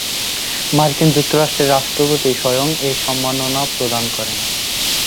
মার্কিন যুক্তরাষ্ট্রের রাষ্ট্রপতি স্বয়ং এই সম্মাননা প্রদান করেন।